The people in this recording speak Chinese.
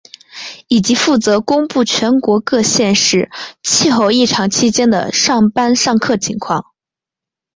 以及负责公布全国各县市气候异常期间的上班上课情况。